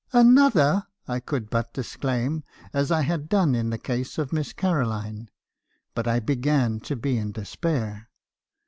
"Another! I could but disclaim, as I had done in the case of Miss Caroline ; but I began to be in despair.